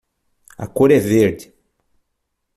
A cor é verde!